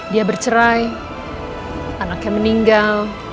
dia bercerai anaknya meninggal